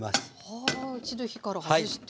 はあ一度火から外して。